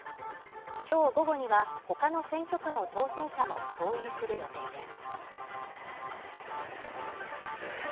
今日午後には他の選挙区の当選者も登院する予定です。